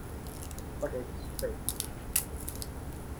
But it's fake.